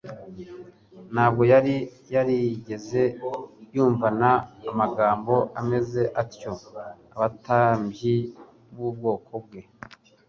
Ntabwo yari yarigeze yumvana amagambo ameze atyo abatambyi b'ubwoko bwe,